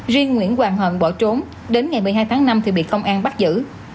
riêng nguyễn hoàng hận bỏ trốn đến ngày một mươi hai tháng năm thì bị công an bắt giữ